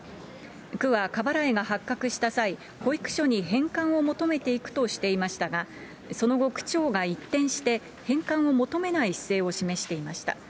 区は過払いが発覚した際、保育所に返還を求めていくとしていましたが、その後、区長が一転して、返還を求めない姿勢を示していました。